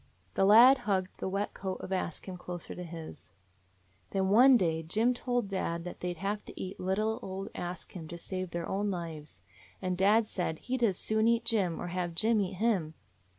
The lad hugged the wet coat of Ask Him closer to his. "Then one day Jim told dad that they 'd have to eat little old Ask Him to save their own lives. And dad said he 'd as soon eat Jim, or have Jim eat him.